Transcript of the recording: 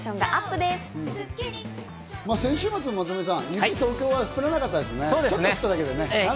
先週末も東京は雪、あまり降らなかったですね。